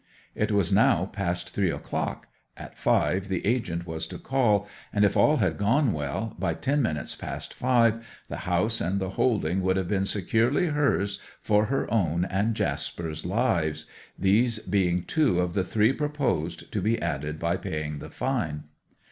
It was now past three o'clock; at five the agent was to call, and, if all had gone well, by ten minutes past five the house and holding would have been securely hers for her own and Jasper's lives, these being two of the three proposed to be added by paying the fine.